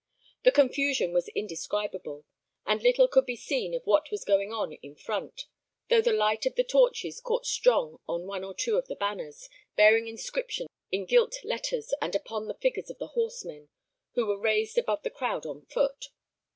The confusion was indescribable, and little could be seen of what was going on in front, though the light of the torches caught strong on one or two of the banners, bearing inscriptions in gilt letters, and upon the figures of the horsemen, who were raised above the crowd on foot.